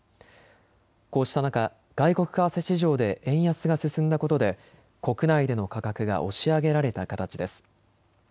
こうした中、外国為替市場で円安が進んだことで国内での価格が押し上げられた形です。